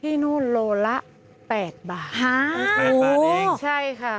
ที่นู่นโลลา๘บาท